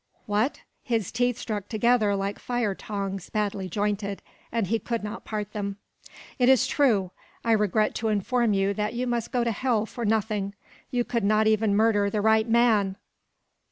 "What?" His teeth struck together like fire tongs badly jointed, and he could not part them. "It is true. I regret to inform you that you must go to hell for nothing. You could not even murder the right man."